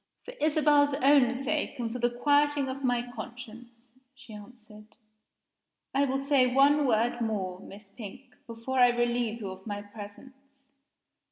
"For Isabel's own sake, and for the quieting of my conscience," she answered, "I will say one word more, Miss Pink, before I relieve you of my presence.